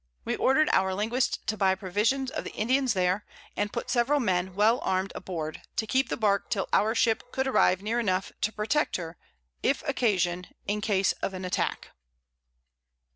We order'd our Linguist to buy Provisions of the Indians there, and put several Men well arm'd a board, to keep the Bark till our Ship could arrive near enough to protect her, if occasion, in Case of an Attack.